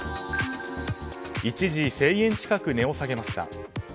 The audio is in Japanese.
一時１０００円近く値を下げました。